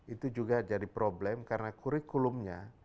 itu juga jadi problem karena kurikulumnya